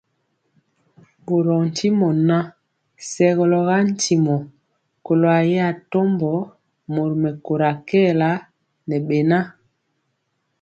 Ɓorɔɔ ntimɔ ŋan, segɔlɔ ga ntimɔ kɔlo ayɛ atɔmbɔ mori mɛkóra kɛɛla ŋɛ beŋa.